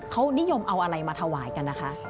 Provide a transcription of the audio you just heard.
เขานิยมเอาอะไรมาถวายกันนะคะ